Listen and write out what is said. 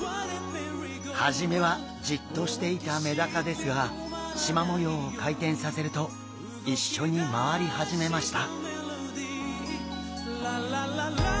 初めはジッとしていたメダカですがしま模様を回転させると一緒に回り始めました。